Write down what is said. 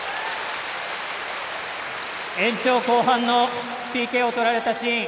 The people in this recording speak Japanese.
延長後半のＰＫをとられたシーン。